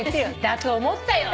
「だと思ったよ」